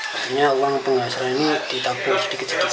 artinya uang penghasilan ini ditabung sedikit sedikit